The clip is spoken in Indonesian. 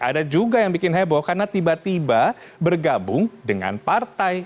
ada juga yang bikin heboh karena tiba tiba bergabung dengan partai